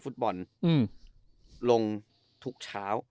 ฟุตบอลอืมลงถึง